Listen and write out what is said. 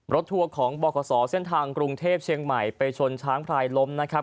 ทัวร์ของบขเส้นทางกรุงเทพเชียงใหม่ไปชนช้างพลายล้มนะครับ